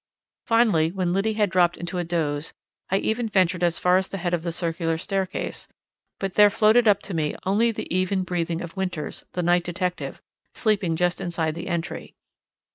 Finally, when Liddy had dropped into a doze, I even ventured as far as the head of the circular staircase, but there floated up to me only the even breathing of Winters, the night detective, sleeping just inside the entry.